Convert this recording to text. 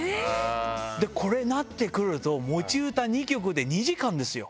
これ、なってくると、持ち歌２曲で２時間ですよ。